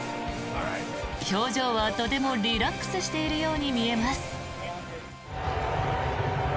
表情はとてもリラックスしているように見えます。